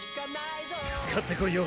勝ってこいよ純太。